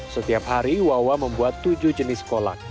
setiap hari wawa membuat tujuh jenis kolak